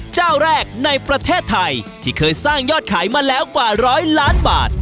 เจ้าแรกในประเทศไทยที่เคยสร้างยอดขายมาแล้วกว่าร้อยล้านบาท